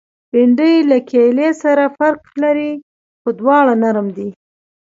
بېنډۍ له کیلې سره فرق لري، خو دواړه نرم دي